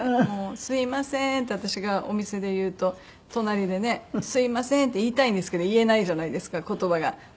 「すみません」って私がお店で言うと隣でね「すみません」って言いたいんですけど言えないじゃないですか言葉が。